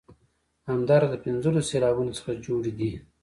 همداراز له پنځلسو سېلابونو څخه جوړې دي.